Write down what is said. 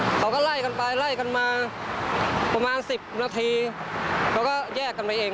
เขาก็ไล่กันไปไล่กันมาประมาณสิบนาทีเขาก็แยกกันไปเอง